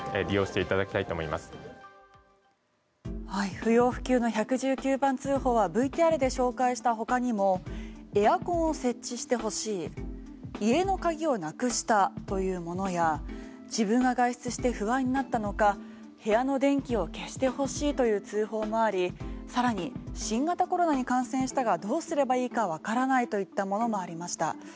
不要不急の１１９番通報はＶＴＲで紹介したほかにもエアコンを設置してほしい家の鍵をなくしたというものや自分が外出して不安になったのか部屋の電気を消してほしいという通報もありさらに新型コロナに感染したがどうすればいいかわからないといったものもありました。